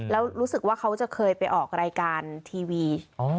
แล้วรู้สึกว่าเขาจะเคยไปออกรายการทีวี